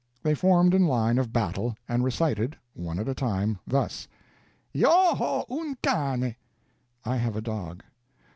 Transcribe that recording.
They formed in line of battle, and recited, one at a time, thus: "Io ho un cane, I have a dog."